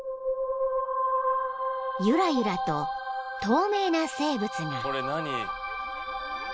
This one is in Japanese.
［ゆらゆらと透明な生物が］